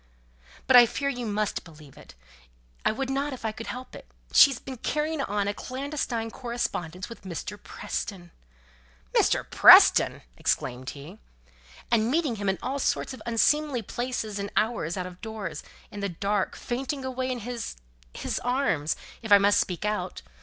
"But I fear you must believe it. I would not if I could help it. She's been carrying on a clandestine correspondence with Mr. Preston! " "Mr. Preston!" exclaimed he. "And meeting him at all sorts of unseemly places and hours, out of doors, in the dark, fainting away in his his arms, if I must speak out.